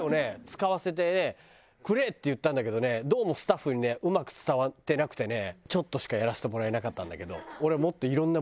使わせてくれって言ったんだけどねどうもスタッフにねうまく伝わってなくてねちょっとしかやらせてもらえなかったんだけど俺は。